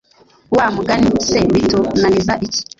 Wa mugani se bitunaniza iki